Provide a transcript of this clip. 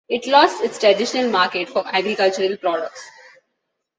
It lost its traditional market for agricultural products.